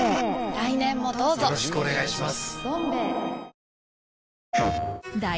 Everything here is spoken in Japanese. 来年もどうぞよろしくお願いします。